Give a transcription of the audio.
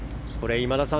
今田さん